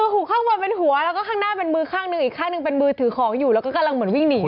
หูข้างบนเป็นหัวแล้วก็ข้างหน้าเป็นมือข้างหนึ่งอีกข้างหนึ่งเป็นมือถือของอยู่แล้วก็กำลังเหมือนวิ่งหนี